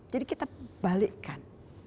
jadi kita balikkan